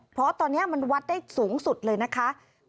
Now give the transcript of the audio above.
เพราะตอนนี้มันวัดได้สูงสุดเลยนะคะ